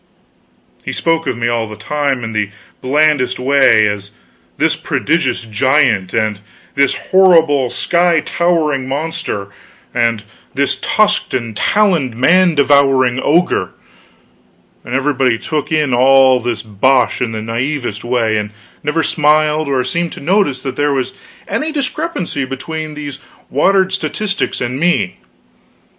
He spoke of me all the time, in the blandest way, as "this prodigious giant," and "this horrible sky towering monster," and "this tusked and taloned man devouring ogre", and everybody took in all this bosh in the naivest way, and never smiled or seemed to notice that there was any discrepancy between these watered statistics and me.